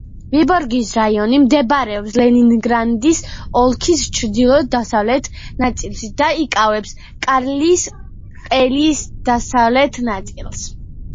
ვიბორგის რაიონი მდებარეობს ლენინგრადის ოლქის ჩრდილო-დასავლეთ ნაწილში და იკავებს კარელიის ყელის დასავლეთ ნაწილს.